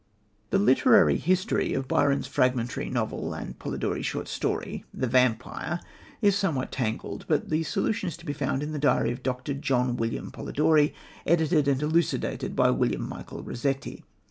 The literary history of Byron's fragmentary novel and of Polidori's short story, The Vampyre, is somewhat tangled, but the solution is to be found in the diary of Dr. John William Polidori, edited and elucidated by William Michael Rossetti.